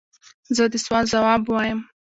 زه د سوال ځواب وایم.